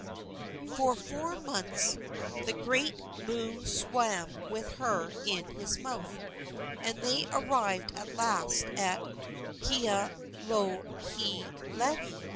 For four months the great moo swam with her in his mouth, and they arrived at last at Kealohilani.